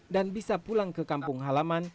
dan bisa pulang ke kampung halaman